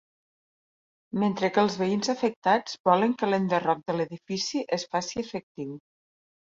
Mentre que els veïns afectats volen que l'enderroc de l'edifici es faci efectiu.